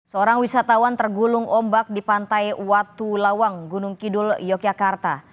seorang wisatawan tergulung ombak di pantai watu lawang gunung kidul yogyakarta